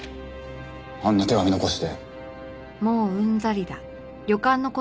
あんな手紙残して。